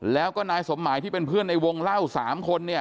แล้วก็นายสมหมายที่เป็นเพื่อนในวงเล่า๓คนเนี่ย